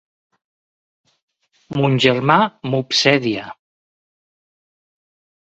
Mon germà m'obsedia.